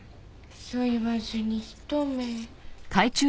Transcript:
そう言わずに一目。